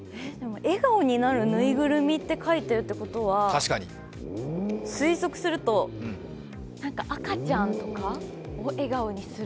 「笑顔になるぬいぐるみ」と書いてあるということは推測すると、赤ちゃんとかを笑顔にする？